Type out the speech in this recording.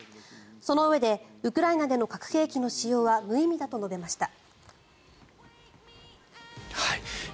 そのうえで、ウクライナでの核兵器の使用は無意味だと述べました。